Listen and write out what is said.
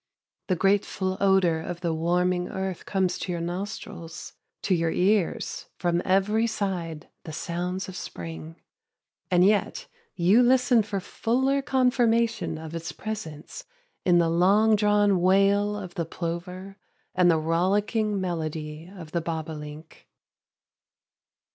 The grateful odor of the warming earth comes to your nostrils; to your ears, from every side, the sounds of spring; and yet you listen for fuller confirmation of its presence in the long drawn wail of the plover and the rollicking melody of the bobolink.